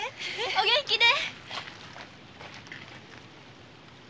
お元気で！